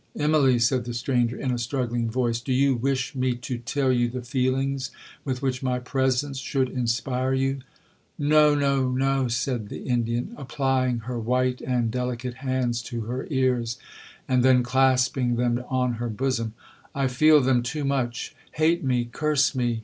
'Immalee,' said the stranger, in a struggling voice, 'Do you wish me to tell you the feelings with which my presence should inspire you?'—'No—no—no!' said the Indian, applying her white and delicate hands to her ears, and then clasping them on her bosom; 'I feel them too much.'—'Hate me—curse me!'